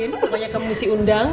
ren pokoknya kamu si undang